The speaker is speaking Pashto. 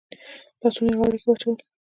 لاسونه يې غاړه کې واچول.